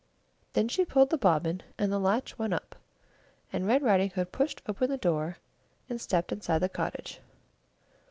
Then she pulled the bobbin, and the latch went up, and Red Riding Hood pushed open the door, and stepped inside the cottage.